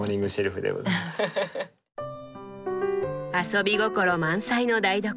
遊び心満載の台所。